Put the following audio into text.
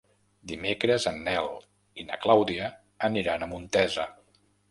Dimecres en Nel i na Clàudia aniran a Montesa.